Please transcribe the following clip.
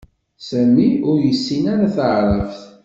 Sami ur yessin ara Taɛrabt